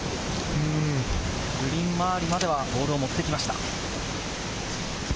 グリーン周りまではボールを持ってきました。